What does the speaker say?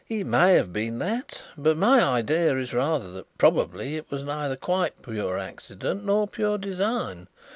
It may have been that, but my idea is rather that probably it was neither quite pure accident nor pure design.